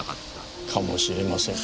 かもしれません。